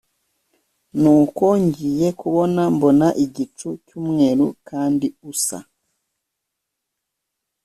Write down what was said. Nuko ngiye kubona mbona igicu cy umweru kandi usa